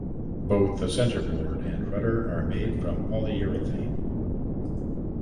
Both the centerboard and rudder are made from polyurethane.